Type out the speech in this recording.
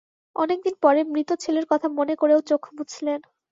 অনেক দিন পরে মৃত ছেলের কথা মনে করেও চোখ মুছলেন।